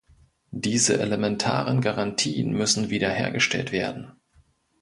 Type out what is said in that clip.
Diese elementaren Garantien müssen wiederhergestellt werden.